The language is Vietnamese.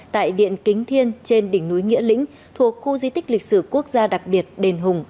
tại điện kính thiên trên đỉnh núi nghĩa lĩnh thuộc khu di tích lịch sử quốc gia đặc biệt đền hùng